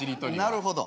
なるほど。